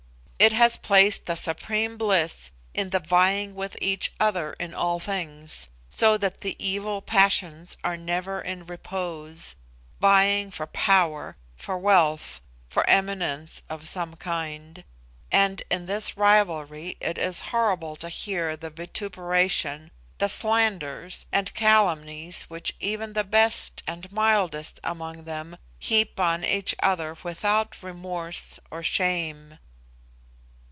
It has placed the supreme bliss in the vying with each other in all things, so that the evil passions are never in repose vying for power, for wealth, for eminence of some kind; and in this rivalry it is horrible to hear the vituperation, the slanders, and calumnies which even the best and mildest among them heap on each other without remorse or shame."